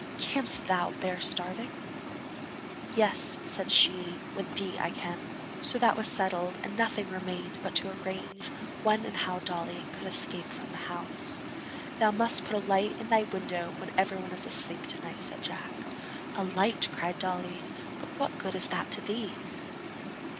Canst thou bear starving?' 'Yes,' said she; 'with thee I can.' So that was settled, and nothing remained but to arrange when and how Dolly could escape from the house. 'Thou must put a light in thy window when everyone is asleep to night,' said Jack. 'A light!' cried Dolly; 'but what good is that to thee?'